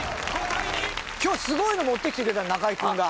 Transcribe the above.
今日すごいの持ってきてくれたの中居君が。